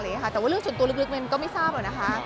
แต่ว่าเรื่องส่วนตัวลึกเมนก็ไม่ทราบอะนะคะ